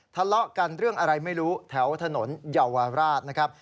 ทะเลาะกันเรื่องอะไรไม่รู้แถวถนนเยาวราชนะครับ